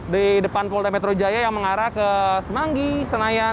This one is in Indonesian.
di depan polda metro jaya yang mengarah ke semanggi senayan